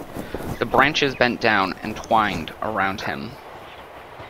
The branches bent down and twined around him.